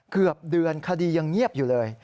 เกือบเดือนคดียังเงียบอยู่เลย